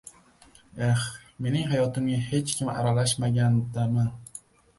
— Eh! Mening hayotimga hech kim aralashmagandami!